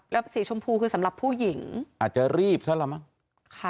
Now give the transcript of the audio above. แล้วสีชมพูคือสำหรับผู้หญิงอาจจะรีบซะละมั้งค่ะ